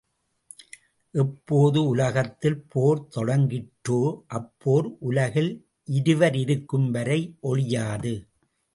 எப்போது உலகத்தில் போர் தொடங்கிற்றோ அப்போர் உலகில் இருவர் இருக்கும்வரை ஒழியாது.